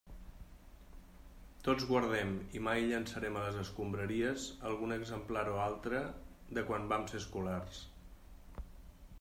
Tots guardem, i mai llançarem a les escombraries, algun exemplar o altre de quan vam ser escolars.